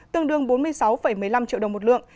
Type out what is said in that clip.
tương đương bốn mươi sáu một mươi năm triệu đồng một lượng